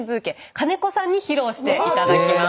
金子さんに披露して頂きます。